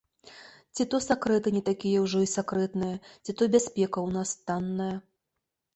Ці то сакрэты не такія ўжо і сакрэтныя, ці то бяспека ў нас танная.